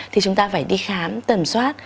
thì chúng ta phải đi khám tầm soát